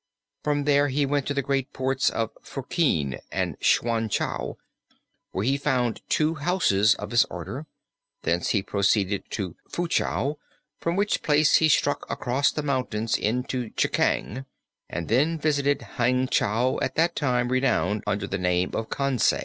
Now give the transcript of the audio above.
From there he went to the great ports of Fuhkeen and Schwan Chow, where he found two houses of his order, thence he proceeded to Fuchau from which place he struck across the mountains into Chekaeng and then visited Hang Chow at that time renowned under the name of Cansay.